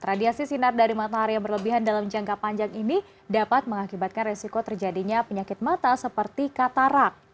radiasi sinar dari matahari yang berlebihan dalam jangka panjang ini dapat mengakibatkan resiko terjadinya penyakit mata seperti katarak